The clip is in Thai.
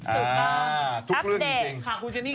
อ่าทุกเรื่องจริง